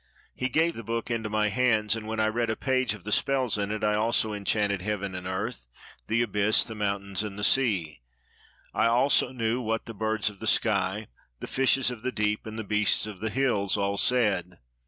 He gave the book into my hands; and when I read a page of the spells in it, I also enchanted heaven and earth, the abyss, the mountains, and the sea; I also knew what the birds of the sky, the fishes of the deep, and the beasts of the hills all said.